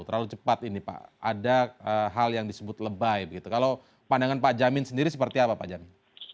terlalu cepat ini pak ada hal yang disebut lebay begitu kalau pandangan pak jamin sendiri seperti apa pak jamin